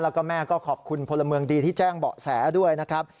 แล้วก็แม่ก็ขอบคุณพลเมืองดีที่แจ้งเบาะแสด้วยนะครับ